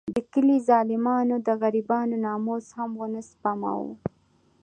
د کلي ظالمانو د غریبانو ناموس هم ونه سپماوه.